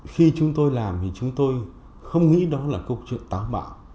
khi chúng tôi làm thì chúng tôi không nghĩ đó là câu chuyện táo bạo